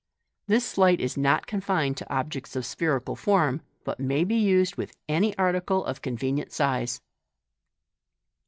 This sleight is not confined to objects of spherical form, but may be used with *ny article of con venient size.